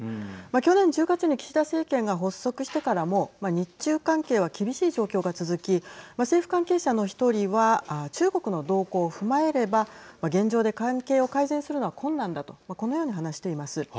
去年１０月に岸田政権が発足してからも日中関係は厳しい状況が続き政府関係者の１人は中国の動向を踏まえれば現状で関係を改善するのは困難だとこのように話しています。